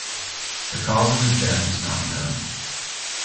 The cause of his death is not known.